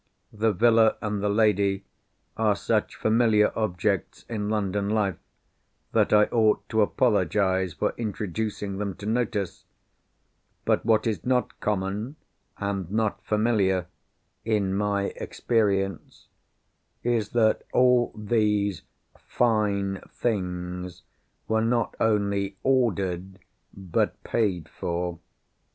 The villa and the lady are such familiar objects in London life, that I ought to apologise for introducing them to notice. But what is not common and not familiar (in my experience), is that all these fine things were not only ordered, but paid for.